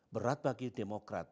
berat bagi demokrat